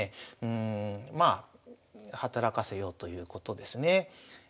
まあ働かせようということですね。